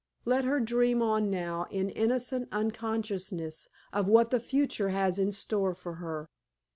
let her dream on now in innocent unconsciousness of what the future has in store for her.